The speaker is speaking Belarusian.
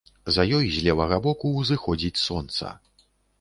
За ёй з левага боку ўзыходзіць сонца.